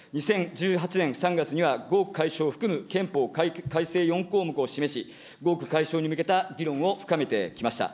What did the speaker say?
２０１８年３月には、合区解消を含む憲法改正４項目を示し、合区解消に向けた議論を深めてきました。